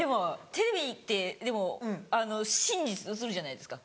テレビってでもあの真実映るじゃないですか。